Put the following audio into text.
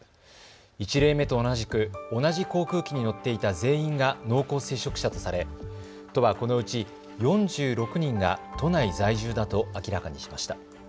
１例目と同じく同じ航空機に乗っていた全員が濃厚接触者とされ都はこのうち４６人が都内在住だと明らかにしました。